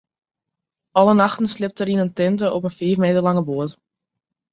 Alle nachten sliept er yn in tinte op in fiif meter lange boat.